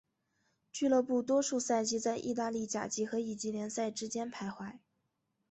俱乐部多数赛季在意大利甲级和乙级联赛之间徘徊。